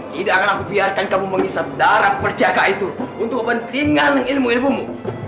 tidak akan aku biarkan kamu mengisap darah perjagaan itu untuk membuang kepingan ilmu ilmumu